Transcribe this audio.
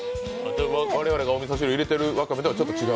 我々がおみそ汁に入れてるわかめとはちょっと違う？